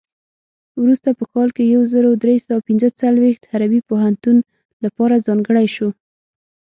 وروسته په کال یو زر درې سوه پنځه څلوېښت حربي پوهنتون لپاره ځانګړی شو.